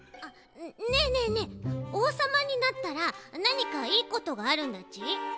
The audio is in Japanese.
ねえねえねえおうさまになったらなにかいいことがあるんだち？